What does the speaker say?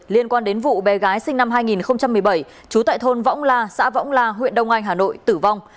liên quan đến vụ bé gái sinh năm hai nghìn một mươi bảy trú tại thôn võng la xã võng la huyện đông anh hà nội tử vong